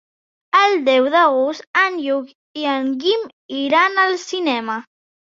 El deu d'agost en Lluc i en Guim iran al cinema.